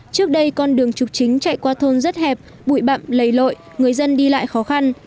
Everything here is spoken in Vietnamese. trước đây con đường trục chính chạy qua thôn rất hẹp bụi bậm lầy lội người dân đi lại khó khăn